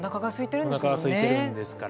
おなかがすいてるんですから。